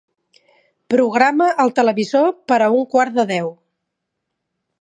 Programa el televisor per a un quart de deu.